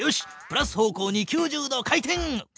プラス方向に９０度回転！